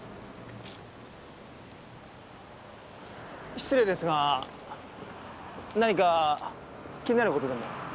失礼ですが何か気になる事でも？